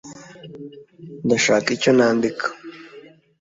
ndashaka icyo nandika